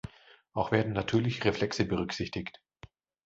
Auch werden natürliche Reflexe berücksichtigt.